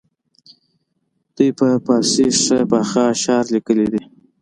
دوی په فارسي ښه پاخه اشعار لیکلي دي.